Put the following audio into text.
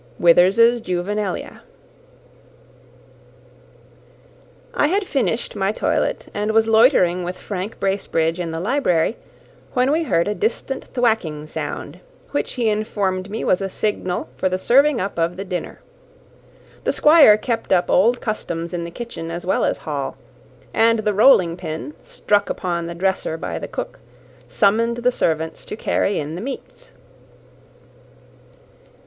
WITHERS'S Juvenilia. I had finished my toilet, and was loitering with Frank Bracebridge in the library, when we heard a distant thwacking sound, which he informed me was a signal for the serving up of the dinner. The Squire kept up old customs in kitchen as well as hall; and the rolling pin, struck upon the dresser by the cook, summoned the servants to carry in the meats.